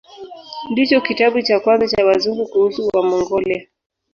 Ndicho kitabu cha kwanza cha Wazungu kuhusu Wamongolia.